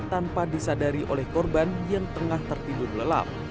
tanpa disadari oleh korban yang tengah tertidur lelap